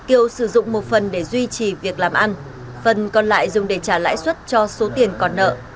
sau khi có tiền kiều sử dụng một phần để duy trì việc làm ăn phần còn lại dùng để trả lãi suất cho số tiền còn nợ